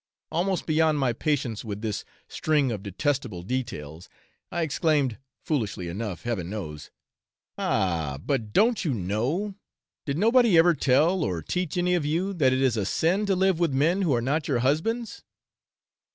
Almost beyond my patience with this string of detestable details, I exclaimed foolishly enough, heaven knows 'Ah, but don't you know, did nobody ever tell or teach any of you, that it is a sin to live with men who are not your husbands?'